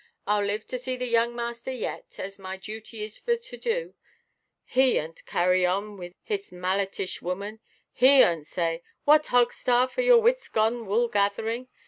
Iʼll live to see the young master yet, as my duty is for to do. He 'ont carry on with a Hismallitish woman; he 'ont say, 'What, Hogstaff, are your wits gone wool–gatherinʼ?